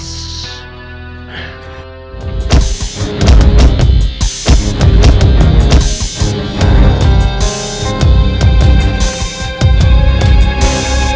sampai jumpa lagi